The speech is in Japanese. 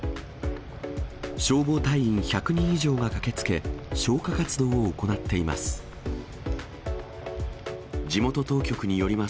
消防隊員１００人以上が駆けつけ、消火活動を行っています。